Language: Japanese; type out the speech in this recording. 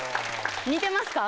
似てますか？